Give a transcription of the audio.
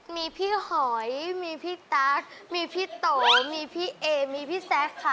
มีพี่หอยมีพี่ตั๊กมีพี่โตมีพี่เอมีพี่แซคค่ะ